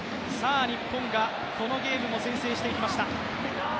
日本がこのゲームも先制していきました。